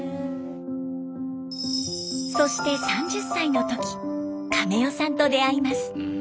そして３０歳の時カメ代さんと出会います。